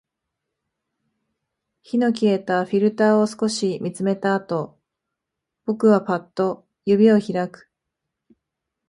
火の消えたフィルターを少し見つめたあと、僕はパッと指を開く